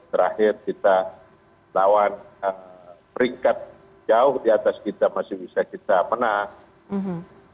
terakhir kita lawan peringkat jauh di atas kita masih bisa kita menang